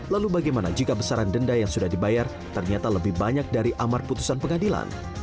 lalu bagaimana jika besaran denda yang sudah dibayar ternyata lebih banyak dari amar putusan pengadilan